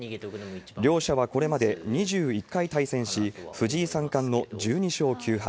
両者はこれまで２１回対戦し、藤井三冠の１２床９敗。